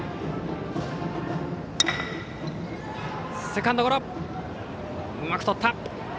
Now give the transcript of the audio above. セカンドゴロうまくとった。